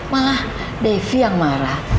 malah devi yang marah